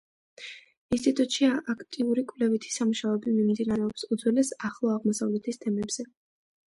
ინსტიტუტში აქტიური კვლევითი სამუშაოები მიმდინარეობს უძველეს ახლო აღმოსავლეთის თემებზე.